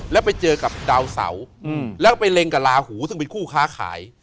แล้วไปเจอกับดาวเสาแล้วไปเล็งกับลาหูซึ่งเป็นคู่ค้าขาย